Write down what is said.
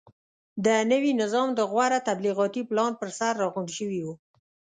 د نوي نظام د غوره تبلیغاتي پلان پرسر راغونډ شوي وو.